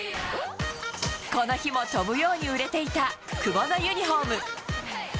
この日も飛ぶように売れていた久保のユニホーム。